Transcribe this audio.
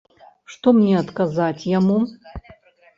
Што мне адказаць яму?